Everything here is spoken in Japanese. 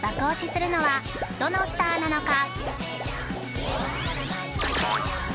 するのはどのスターなのか？